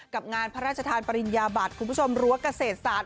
กับงานพระราชทานปริญญาบัตรคุณผู้ชมรั้วเกษตรศาสต